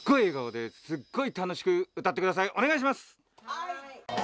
・はい！